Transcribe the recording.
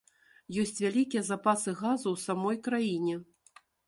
Ёсць вялікія запасы газу ў самой краіне.